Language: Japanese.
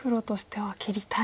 はい。